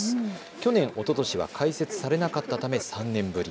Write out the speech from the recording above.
去年、おととしは開設されなかったため、３年ぶり。